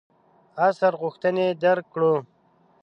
عصر غوښتنې درک کړو.